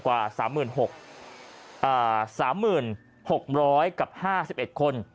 กว่าสามหมื่นหกอ่าสามหมื่นหกร้อยกับห้าสิบเอ็ดคน